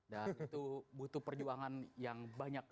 dan itu butuh perjuangan yang banyak